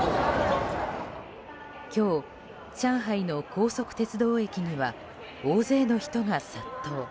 今日、上海の高速鉄道駅には大勢の人が殺到。